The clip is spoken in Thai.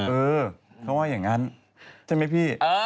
เค้าว่าอย่างนั้นใช่มั้ยพี่